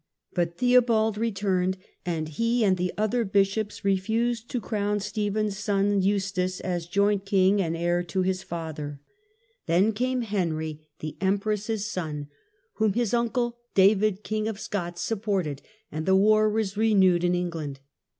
But Theo bald returned, and he and the other bishops refused to crown Stephen's son, Eustace, as joint king and heir to DEATH OF STEPHEN. 1$ his father. Then came Henry, the empress's son, whom his uncle, David King of Scots, supported, and the war was renewed in England.